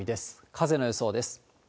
風の予想です。